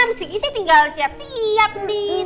miss kiki sih tinggal siap siap nih